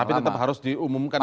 tapi tetap harus diumumkan